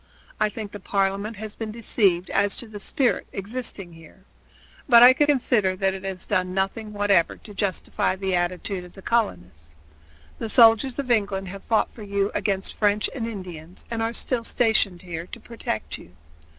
I think that Parliament has been deceived as to the spirit existing here. But I consider that it has done nothing whatever to justify the attitude of the colonists. The soldiers of England have fought for you against French and Indians and are still stationed here to protect you.